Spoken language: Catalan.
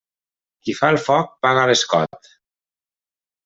Qui fa el foc paga l'escot.